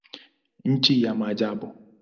Nchi ya maajabu.